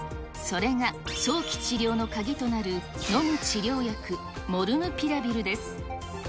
それが、早期治療の鍵となる飲む治療薬、モルヌピラビルです。